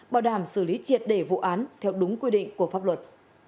bảo đảm xử lý triệt đề vụ án theo đúng quy định của pháp luật